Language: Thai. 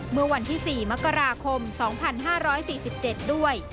เมื่อวันที่๔มกราคม๒๕๔๗ด้วย